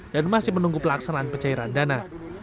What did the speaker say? dan masih menunggu pelaksanaan pencairan dana